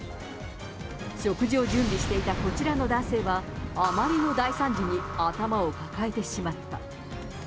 食事を準備していたこちらの男性は、あまりの大参事に、頭を抱えてしまった。